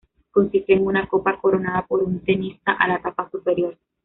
Consiste en una copa coronada por un tenista a la tapa superior.